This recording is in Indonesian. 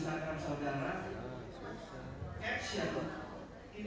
oke saudara saksi